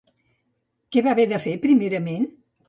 Què va haver de fer primerament?